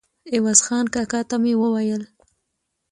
عوض خان کاکا ته مې وویل.